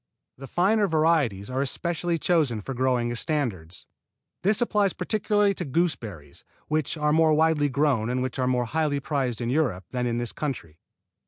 The finer varieties are especially chosen for growing as standards. This applies particularly to gooseberries, which are more widely grown and which are more highly prized in Europe than in this country.